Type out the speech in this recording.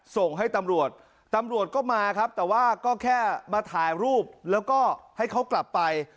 ส่งให้ตำรวจตำรวจก็มาครับแต่ว่าก็แค่มาถ่ายรูปแล้วก็ให้เขากลับไป